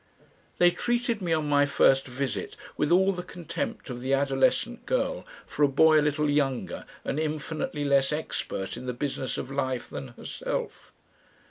They treated me on my first visit with all the contempt of the adolescent girl for a boy a little younger and infinitely less expert in the business of life than herself.